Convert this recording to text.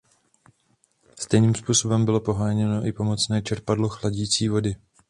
Stejným způsobem bylo poháněno i pomocné čerpadlo chladicí vody.